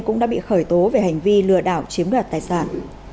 cũng đã bị khởi tố về hành vi lừa đảo chiếm đoạt tài sản